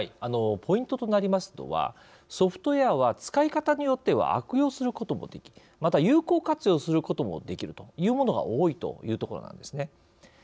ポイントとなりますのはソフトウェアは使い方によっては悪用することもできまた、有効活用することもできるというものが多いというところなんですね。